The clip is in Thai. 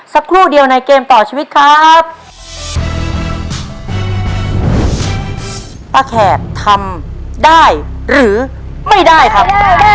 สักครู่เดียวในเกมต่อชีวิตข้อครับ